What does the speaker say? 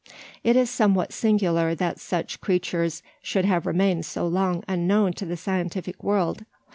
It is somewhat singular that such creatures should have remained so long unknown to the scientific world.